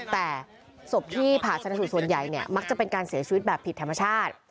แต่ศพที่ผ่าชนสูตรส่วนใหญ่เนี่ยมักจะเป็นการเสียชีวิตแบบผิดธรรมชาติ